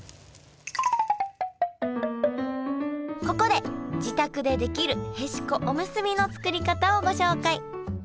ここで自宅でできるへしこおむすびの作り方をご紹介。